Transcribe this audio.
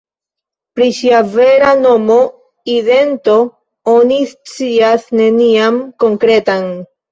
Pri ŝia vera nomo, idento oni scias nenian konkretan.